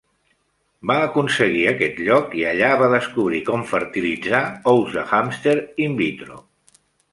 Va aconseguir aquest lloc i allà va descobrir com fertilitzar ous de hàmster in vitro.